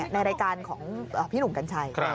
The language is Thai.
ในรายการของพี่หนุ่มกัญชัย